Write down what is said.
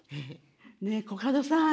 ねえコカドさん